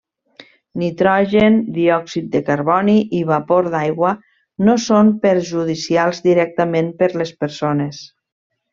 Nitrogen, diòxid de carboni i vapor d'aigua no són perjudicials directament per les persones.